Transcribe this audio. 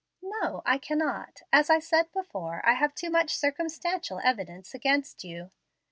"No, I cannot. As I said before, I have too much circumstantial evidence against you.